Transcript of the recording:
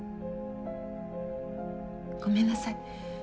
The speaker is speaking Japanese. ごめんなさい。